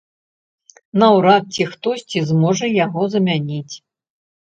Наўрад ці хтосьці зможа яго замяніць.